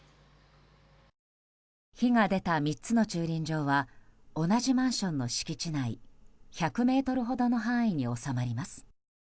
火が出た３つの駐輪場は同じマンションの敷地内１００ｍほどの範囲に収まります。